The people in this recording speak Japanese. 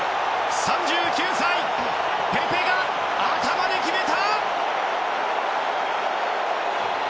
３９歳、ペペが頭で決めた！